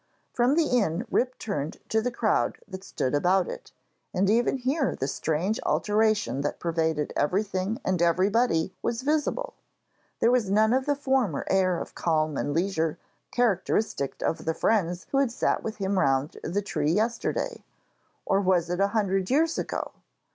From the inn Rip turned to the crowd that stood about it, and even here the strange alteration that pervaded everything and everybody was visible. There was none of the former air of calm and leisure characteristic of the friends who had sat with him round the tree yesterday or was it a hundred years ago?